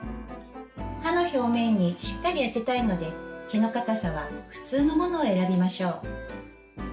歯の表面にしっかり当てたいので毛の固さは「ふつう」のものを選びましょう。